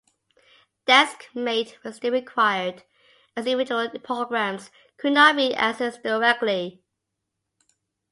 DeskMate was still required, as the individual programs could not be accessed directly.